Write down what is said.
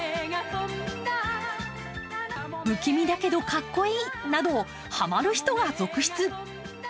不気味だけどかっこいいなどハマる人が続出。